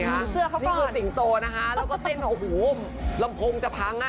นี่คือสิงโตนะคะแล้วก็เต้นโอ้โหลำโพงจะพังอ่ะ